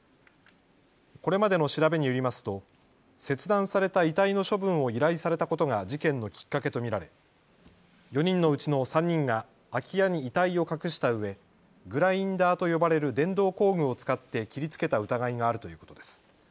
これまでの調べによりますと切断された遺体の処分を依頼されたことが事件のきっかけと見られ４人のうちの３人が空き家に遺体を隠したうえグラインダーと呼ばれる電動工具を使って切りつけた疑いがあるということです。